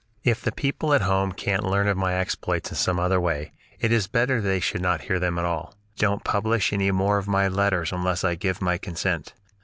If the people at home can't learn of my exploits in some other way, it is better that they should not hear them at all. Don't publish any more of my letters unless I give my consent."